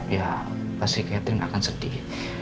ya pasti catherine akan sedih